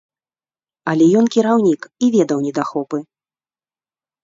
Але ён кіраўнік і ведаў недахопы.